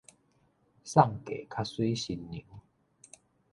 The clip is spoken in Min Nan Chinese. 送嫁較媠新娘